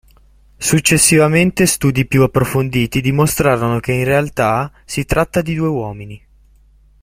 Successivamente studi più approfonditi dimostrarono che in realtà si tratta di due uomini.